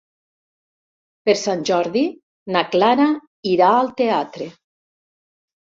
Per Sant Jordi na Clara irà al teatre.